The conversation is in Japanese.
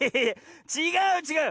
ちがうちがう！